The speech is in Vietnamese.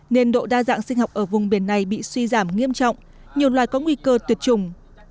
nên độ đa dạng sinh học ở vùng biển này bị suy giảm nghiêm trọng nhiều loài có nguy cơ tuyệt chủng